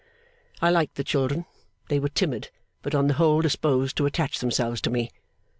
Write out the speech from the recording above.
I liked the children. They were timid, but on the whole disposed to attach themselves to me.